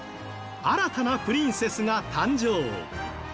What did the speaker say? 新たなプリンセスが誕生。